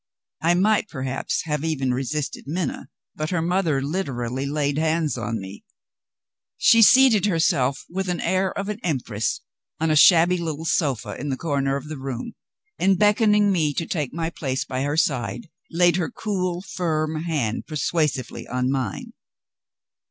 I might, perhaps, have even resisted Minna but her mother literally laid hands on me. She seated herself, with the air of an empress, on a shabby little sofa in the corner of the room, and beckoning me to take my place by her side, laid her cool firm hand persuasively on mine.